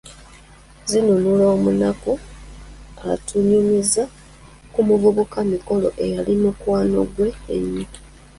Zinunula omunaku atunyumiza ku muvubuka Mikolo eyali mukwano ggwe ennyo.